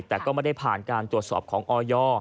แต่ก็ไม่ได้ผ่านการตรวจสอบของออย